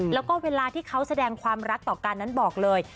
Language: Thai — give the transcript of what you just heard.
แล้วก็เวลาที่เขาแสดงความรักต่อกันนั้นบอกเลย